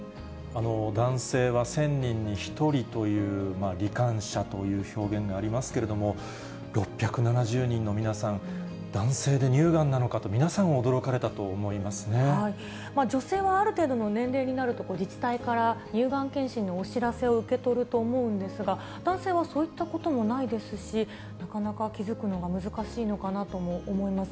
男性は１０００人に１人というり患者という表現がありますけれども、６７０人の皆さん、男性で乳がんなのかと、皆さん驚女性はある程度の年齢になると、自治体から乳がん検診のお知らせを受け取ると思うんですが、男性はそういったこともないですし、なかなか気付くのが難しいのかなとも思います。